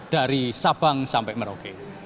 dari sabang sampai merauke